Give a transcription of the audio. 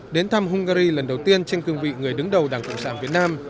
đến thăm hungary lần đầu tiên trên cương vị người đứng đầu đảng cộng sản việt nam